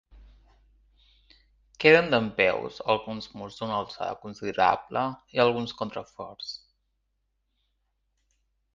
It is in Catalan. Queden dempeus alguns murs d'una alçada considerable i alguns contraforts.